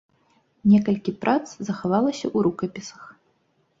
Некалькі прац захавалася ў рукапісах.